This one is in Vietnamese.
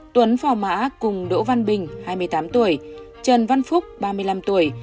tuấn phò mã cùng đỗ văn bình hai mươi tám tuổi trần văn phúc ba mươi năm tuổi